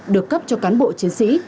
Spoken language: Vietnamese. được cấp cho cán bộ chiến sĩ